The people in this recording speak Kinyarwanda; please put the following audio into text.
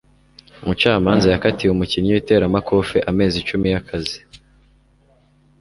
umucamanza yakatiye umukinnyi w'iteramakofe amezi icumi y'akazi